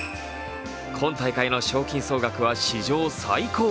今大会の賞金総額は史上最高。